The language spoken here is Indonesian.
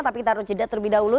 tapi kita harus jeda terlebih dahulu